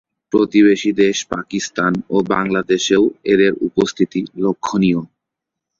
প্রতিবেশী দেশ পাকিস্তান ও বাংলাদেশেও এদের উপস্থিতি লক্ষ্যণীয়।